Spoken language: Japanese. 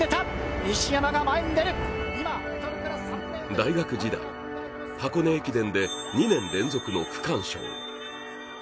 大学時代、箱根駅伝で２年連続の区間賞。